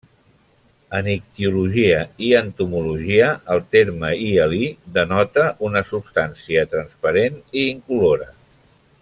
En ictiologia i entomologia el terme hialí denota una substància transparent i incolora.